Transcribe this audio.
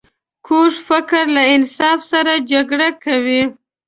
کوږ فکر له انصاف سره جګړه کوي